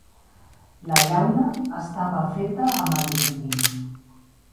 La llauna estava feta amb alumini.